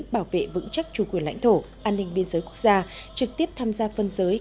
bảo vệ vững chắc chủ quyền lãnh thổ an ninh biên giới quốc gia trực tiếp tham gia phân giới